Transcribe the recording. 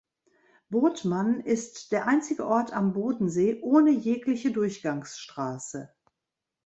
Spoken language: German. Bodman ist der einzige Ort am Bodensee ohne jegliche Durchgangsstraße.